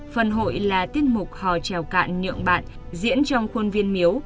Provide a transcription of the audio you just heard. phần hội là tiết mục hò trèo cạn nhượng bạn diễn trong khuôn viên miếu